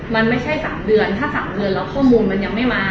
มันไม่ใช่๓เดือนถ้า๓เดือนแล้วข้อมูลมันยังไม่มา